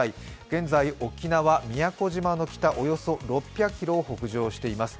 現在、沖縄・宮古島の北およそ６００ｋｍを北上しています。